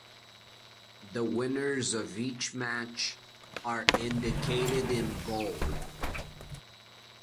The winners of each match are indicated in bold.